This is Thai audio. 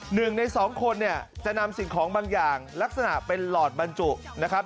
หนึ่งในสองคนเนี่ยจะนำสิ่งของบางอย่างลักษณะเป็นหลอดบรรจุนะครับ